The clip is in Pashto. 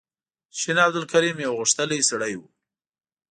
شین عبدالکریم یو غښتلی سړی و.